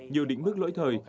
nhiều đỉnh mức lỗi thời